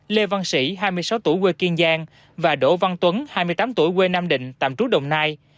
lê văn sĩ hai mươi sáu tuổi quê kiên giang và đỗ văn tuấn hai mươi tám tuổi quê nam định tạm trú đồng nai